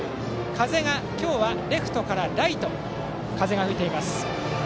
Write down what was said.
風は、今日はレフトからライトに吹いています。